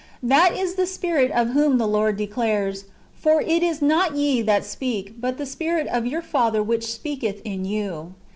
"^ That is the Spirit of whom "I the Lord declares, " For it is not ye that speak, but the Spirit i of your Father which speaketh in you."